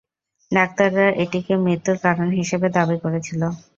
ডাক্তাররা এটিকে মৃত্যুর কারণ হিসেবে দাবী করেছিল।